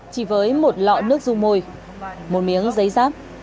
chỉ với một lọ nước du môi một miếng giấy giáp